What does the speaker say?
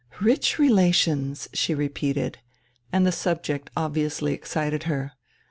"Rich relations!" she repeated, and the subject obviously excited her.